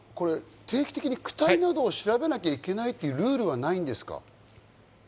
阿部さん、定期的に調べなきゃいけないというルールはないんですか？